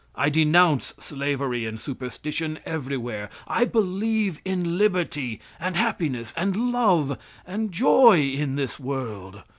I denounce slavery and superstition everywhere. I believe in liberty, and happiness, and love, and joy in this world.